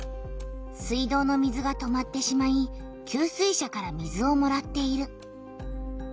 水道の水が止まってしまい給水車から水をもらっている。